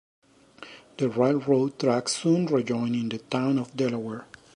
The railroad tracks soon rejoin in the town of Delaware.